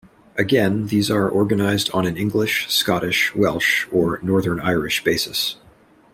Again, these are organised on an English, Scottish, Welsh or Northern Irish basis.